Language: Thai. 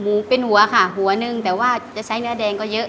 หมูเป็นหัวค่ะแต่ว่าจะใช้เนื้อแดงก็เยอะ